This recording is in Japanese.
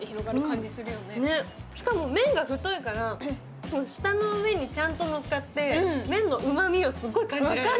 しかも、麺が太いから舌の上にちゃんとのっかって麺のうまみをすっごい感じられる。